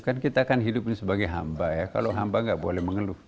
kan kita kan hidup ini sebagai hamba ya kalau hamba tidak boleh mengeluh